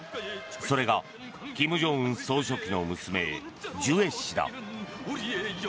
それが、金正恩総書記の娘ジュエ氏だ。